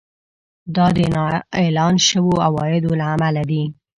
دا د نااعلان شويو عوایدو له امله دی